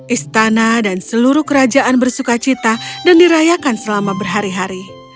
istana dan seluruh kerajaan bersuka cita dan dirayakan selama berhari hari